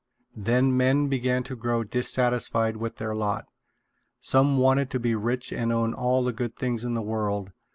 Then men began to grow dissatisfied with their lot. Some wanted to be rich and own all the good things in the world.